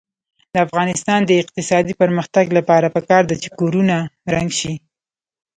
د افغانستان د اقتصادي پرمختګ لپاره پکار ده چې کورونه رنګ شي.